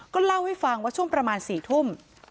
ก็เล่าให้ฟังว่าช่วงประมาณ๔ทุ่ม